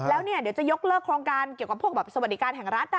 แล้วเดี๋ยวจะยกเลิกโครงการเกี่ยวกับพวกสวัสดิการแห่งรัฐ